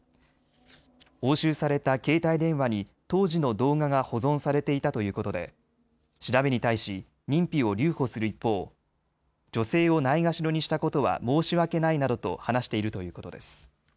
押収された携帯電話に当時の動画が保存されていたということで調べに対し認否を留保する一方、女性をないがしろにしたことは申し訳ないなどと話しているということです。